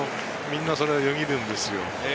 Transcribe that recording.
みんなそれはよぎるんですよ。